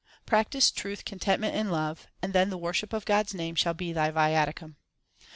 Practise truth, contentment, and love ; and then the worship of God s name shall be thy viaticum.